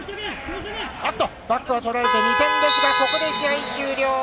あっと、バックは取られて、２点ですが、ここで試合終了。